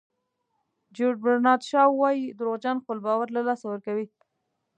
جیورج برنارد شاو وایي دروغجن خپل باور له لاسه ورکوي.